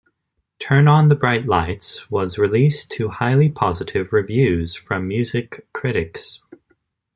"Turn on the Bright Lights" was released to highly positive reviews from music critics.